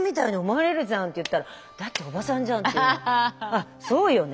「あっそうよね」